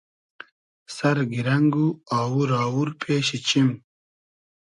سئر گیرنئگ و آوور آوور پېشی چیم